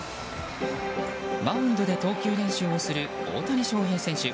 マウンドで投球練習をする大谷翔平選手。